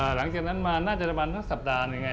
หลังจากนั้นมาหน้าจัดบัตรทั้งสัปดาห์